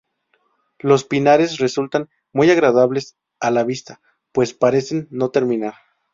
Los pinares resultan muy agradables a la vista, pues parecen no terminar.